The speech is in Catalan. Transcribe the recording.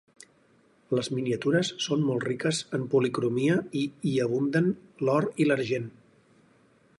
Les miniatures són molt riques en policromia i hi abunden l'or i l'argent.